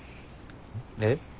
えっ？